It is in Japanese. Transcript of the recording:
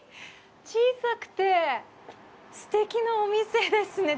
小さくて、すてきなお店ですね。